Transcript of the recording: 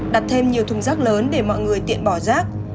đặt thêm nhiều thùng rác lớn để mọi người tiện bỏ rác